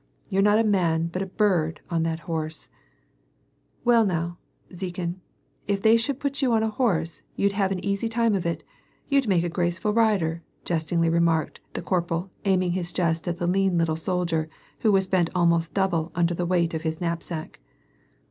" You're not a man but a bird, on that horse !"" Well now, Zikin, if they should put you on a horse, you'd have an easy time of it ; you'd make a graceful rider," jestingly remarked the corporal aCiming his jest at the lean little soldier who was bent almost double under the weight of his knapsack.